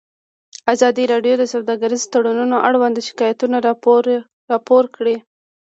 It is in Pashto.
ازادي راډیو د سوداګریز تړونونه اړوند شکایتونه راپور کړي.